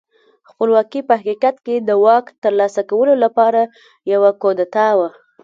خپلواکي په حقیقت کې د واک ترلاسه کولو لپاره یوه کودتا وه.